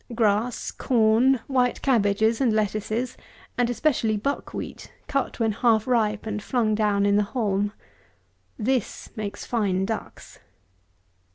Grass, corn, white cabbages, and lettuces, and especially buck wheat, cut, when half ripe, and flung down in the haulm. This makes fine ducks.